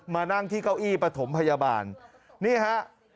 มานั่งที่เก้าอี้ปฐมพยาบาลนี่ฮะ